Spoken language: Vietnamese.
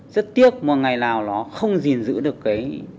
rất tiếc một ngày nào nó không gìn giữ được cái